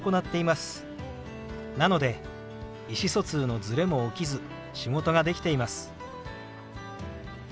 なので意思疎通のズレも起きず仕事ができています。